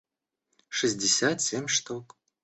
шестьдесят семь штук